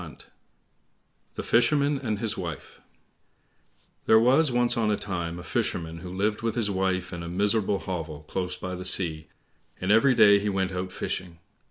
19 The Fisherman and His Wife There was once on a time a Fisherman who lived with his wife in a miserable hovel close by the sea, and every day he went out fishing.